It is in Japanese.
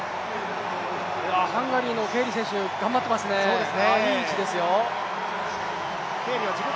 ハンガリーのケーリ選手、頑張っています、いい位置です。